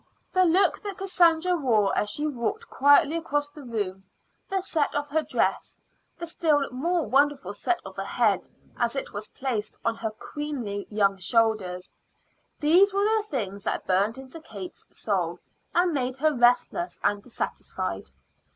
The look that Cassandra wore as she walked quietly across the room, the set of her dress, the still more wonderful set of her head as it was placed on her queenly young shoulders these were the things that burnt into Kate's soul and made her restless and dissatisfied.